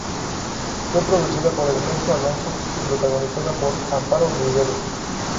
Fue producida por Ernesto Alonso y protagonizada por Amparo Rivelles.